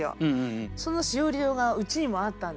その枝折戸がうちにもあったんですね。